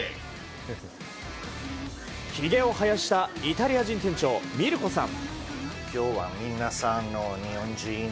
ひげを生やしたイタリア人店長、ミルコさん。